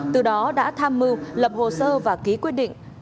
từ đó đã tham mưu lập hồ sơ và ký quyết định